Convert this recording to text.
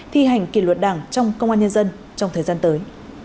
thi hành kỷ luật đảng trong công an nhân dân trong thời gian tới